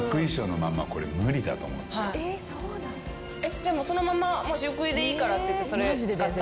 じゃあもうそのまま私服でいいからっていってそれ使った。